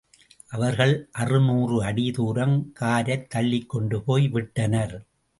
அவர்கள் அறுநூறு அடி தூரம் காரைத் தள்ளிக்கொண்டுபோய் விட்டனர்.